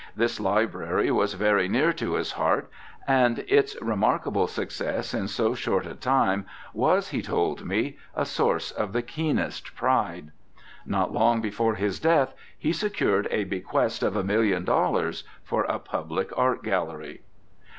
This library was very near to his heart, and its remarkable success in so short a time was, he has told me, a source of the keenest pride. Not long before his death he secured a bequest of a million dollars for a public art gallery.